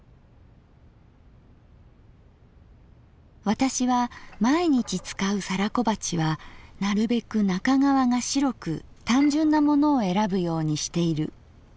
「私は毎日使う皿小鉢はなるべく中側が白く単純なものをえらぶようにしている。